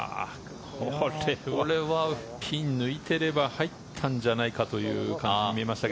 これはピンを抜いていれば入ったんじゃないかと見えましたが。